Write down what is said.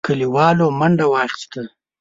کليوالو منډه واخيسته.